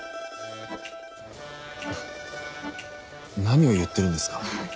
何を言ってるんですか？